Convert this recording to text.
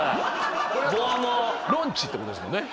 「ロンチ」ってことですもんね。